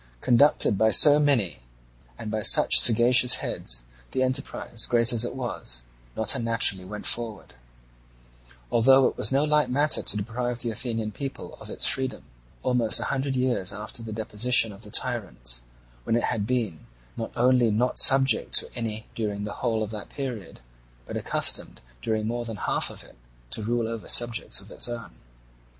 Conducted by so many and by such sagacious heads, the enterprise, great as it was, not unnaturally went forward; although it was no light matter to deprive the Athenian people of its freedom, almost a hundred years after the deposition of the tyrants, when it had been not only not subject to any during the whole of that period, but accustomed during more than half of it to rule over subjects of its own.